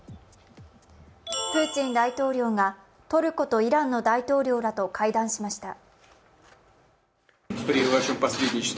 プーチン大統領がトルコとイランの大統領らと会談しました。